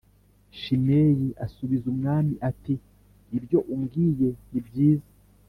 Shimeyi asubiza umwami ati “Ibyo umbwiye ni byiza. “